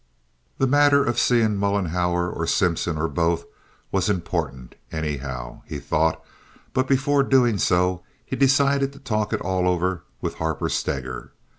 This matter of seeing Mollenhauer or Simpson, or both, was important, anyhow, he thought; but before doing so he decided to talk it all over with Harper Steger.